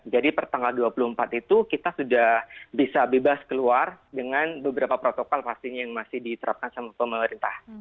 jadi per tanggal dua puluh empat itu kita sudah bisa bebas keluar dengan beberapa protokol pastinya yang masih diterapkan sama pemerintah